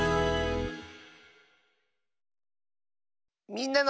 「みんなの」。